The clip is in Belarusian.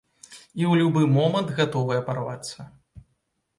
І ў любы момант гатовая парвацца.